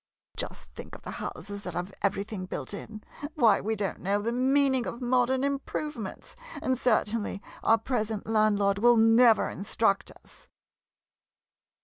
Just think of the houses that have everything built in — why, we don't know the meaning of modern improvements, and certainly our present landlord will never in struct us.